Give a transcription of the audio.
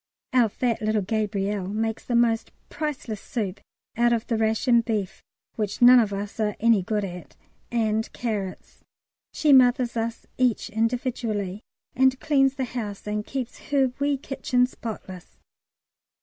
Our fat little Gabrielle makes the most priceless soup out of the ration beef (which none of us are any good at) and carrots. She mothers us each individually, and cleans the house and keeps her wee kitchen spotless.